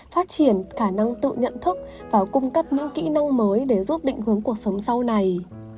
phát triển khả năng tự nhận thức và cung cấp những kỹ năng mới để giúp định hướng cuộc sống sau này